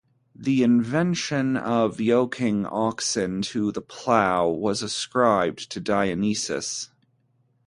The invention of yoking oxen to the plough was ascribed to Dionysus.